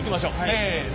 せの。